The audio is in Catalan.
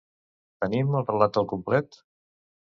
Tenim el relat al complet?